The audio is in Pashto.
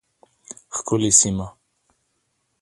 ښکلې سیمه